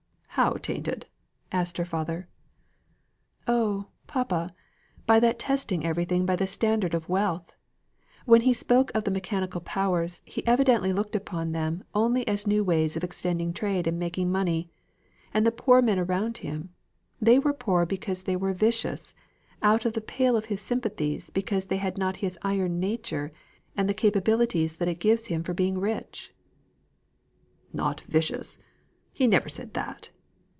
"How tainted?" asked her father. "Oh, papa, by that testing everything by the standard of wealth. When he spoke of the mechanical powers, he evidently looked upon them only as new ways of extending trade and making money. And the poor men around him they were poor because they were vicious out of the pale of his sympathies because they had not his iron nature, and the capabilities that it gives him for being rich." "Not vicious; he never said that.